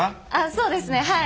そうですねはい。